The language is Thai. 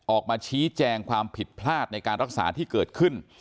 ออกมาชี้แจงความผิดพลาดในการรักษาที่เกิดขึ้น